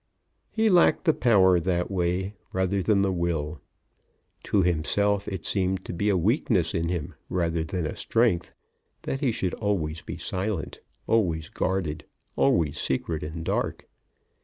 He lacked the power that way, rather than the will. To himself it seemed to be a weakness in him rather than a strength that he should always be silent, always guarded, always secret and dark.